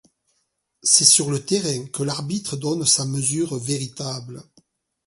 C’est sur le terrain que l’arbitre donne sa mesure véritable.